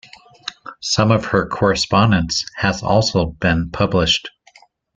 Some of her correspondence has also been published.